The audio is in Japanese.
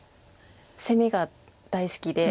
攻めが大好きで。